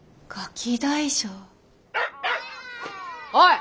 おい！